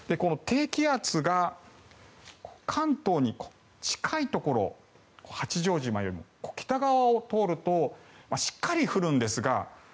低気圧が関東に近いところ八丈島よりも北側を通るとしっかりと降るんですが